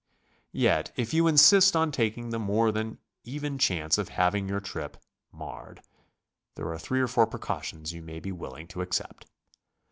Yet if you insist on taking the more than even chance of having your trip marred, there are three or four precautions you may be willing to accept.